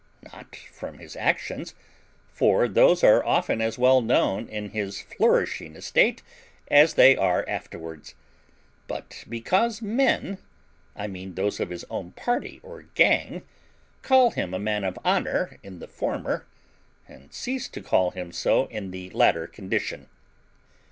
Not from his actions; for those are often as well known in his flourishing estate as they are afterwards; but because men, I mean those of his own party or gang, call him a man of honour in the former, and cease to call him so in the latter condition.